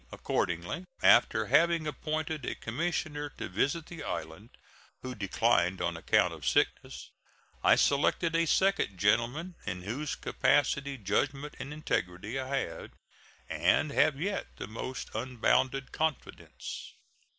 Accordingly, after having appointed a commissioner to visit the island, who declined on account of sickness, I selected a second gentleman, in whose capacity, judgment, and integrity I had, and have yet, the most unbounded confidence.